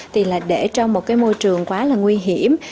thì là để trong một cái môi trường quá là nguy hiểm